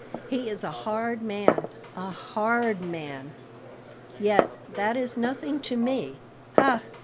He is a hard man a hard man. Yet that is nothing to me. Ha!